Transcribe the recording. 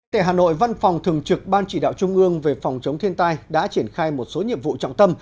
tại hà nội văn phòng thường trực ban chỉ đạo trung ương về phòng chống thiên tai đã triển khai một số nhiệm vụ trọng tâm